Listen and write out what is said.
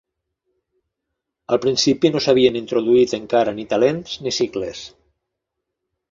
Al principi no s’havien introduït encara ni talents ni sicles.